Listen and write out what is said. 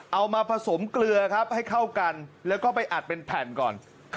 เอามาผสมเกลือครับให้เข้ากันแล้วก็ไปอัดเป็นแผ่นก่อน